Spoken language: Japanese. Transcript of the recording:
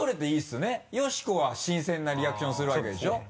よしこは新鮮なリアクションするわけでしょ？